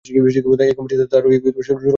এই কমিটি তার সুরক্ষা উপদেষ্টা দ্বারা সমন্বিত।